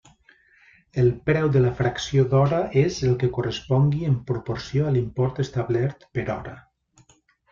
El preu de la fracció d'hora és el que correspongui en proporció a l'import establert per hora.